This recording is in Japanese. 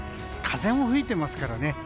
風も吹いてますからね。